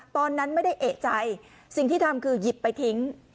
ตอนนั้นไม่ได้เอกใจสิ่งที่ทำคือหยิบไปทิ้ง